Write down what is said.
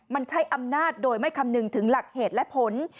มันใช้อำนาจโดยไม่คำนึงถึงหลักเหตุและผล